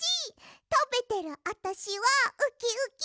たべてるあたしはウキウキ！